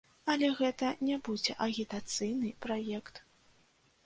Але гэта не будзе агітацыйны праект.